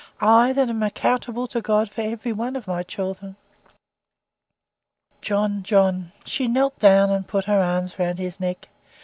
I, that am accountable to God for every one of my children." "John John" she knelt down and put her arms round his neck.